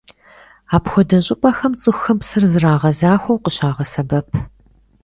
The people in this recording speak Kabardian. Апхуэдэ щӀыпӀэхэм цӀыхухэм псыр зрагъэзахуэу къыщагъэсэбэп.